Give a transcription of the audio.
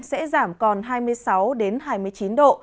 sẽ giảm còn hai mươi sáu hai mươi chín độ